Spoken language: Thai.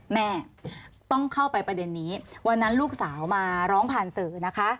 แม่ต้องเข้าไปประเด็นนี้วันนั้นลูกสาวมาร้องผ่านสื่อนะคะ